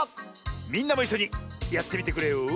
みんなもいっしょにやってみてくれよ！